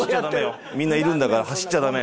みんないるんだから走っちゃダメ。